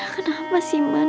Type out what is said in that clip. kenapa sih man